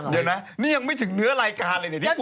นี่ยังไม่ถึงเนื้อรายการเลย